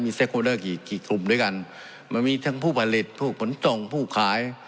มีกี่กลุ่มด้วยกันมันมีทั้งผู้ผลิตผู้ผลส่งผู้ขาย